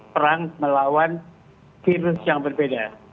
perang melawan virus yang berbeda